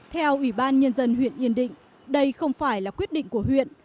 theo ủy ban nhân dân huyện yên định đây không phải là quyết định của huyện